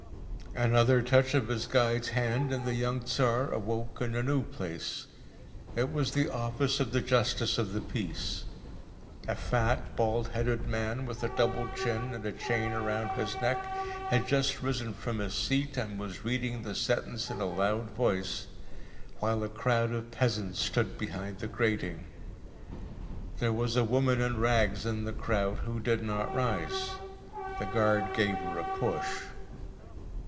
Another touch of his guide’s hand and the young Tsar awoke in a new place. It was the office of the justice of the peace. A fat, bald headed man, with a double chin and a chain round his neck, had just risen from his seat, and was reading the sentence in a loud voice, while a crowd of peasants stood behind the grating. There was a woman in rags in the crowd who did not rise. The guard gave her a push.